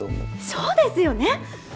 そうですよね！？